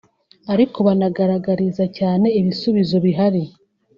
ariko banangaragariza cyane ibisubizo bihari